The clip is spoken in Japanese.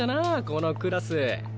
このクラス。